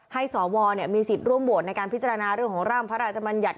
สวมีสิทธิ์ร่วมโหวตในการพิจารณาเรื่องของร่างพระราชมัญญัติ